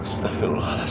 saya akan mengalahkan dia